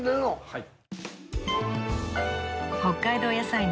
はい。